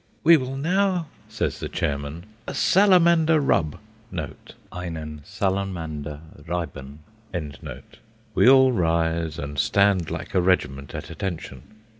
"We will now," says the chairman, "a Salamander rub" ("Einen Salamander reiben"). We all rise, and stand like a regiment at attention.